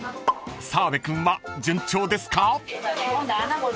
［澤部君は順調ですか？］